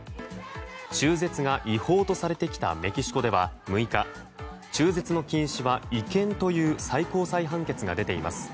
中絶が違法とされてきたメキシコでは６日中絶の禁止は違憲という最高裁判決が出ています。